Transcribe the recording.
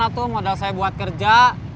tuh modal saya buat kerja